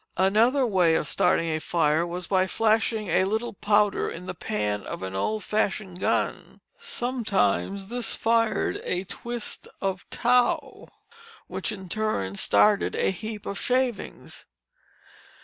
Another way of starting a fire was by flashing a little powder in the pan of an old fashioned gun; sometimes this fired a twist of tow, which in turn started a heap of shavings.